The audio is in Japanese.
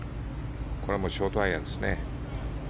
ショートアイアンですね。